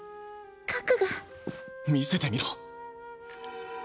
⁉核が。見せてみろ。